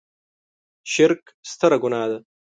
شرک ستره ګناه ده.